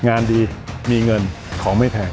งานดีมีเงินของไม่แพง